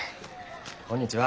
こんにちは。